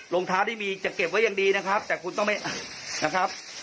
รองเท้าที่มีจะเก็บไว้ยังดีนะครับแต่คุณต้องไม่อัดนะครับ